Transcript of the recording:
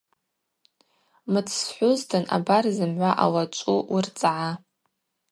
Мыц схӏвузтын – абар зымгӏва ъалачӏву, уырцӏгӏа.